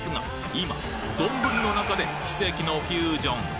今丼の中で奇跡のフュージョン！